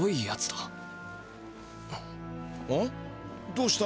どうした？